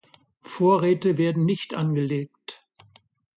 Vorräte werden nicht angelegt.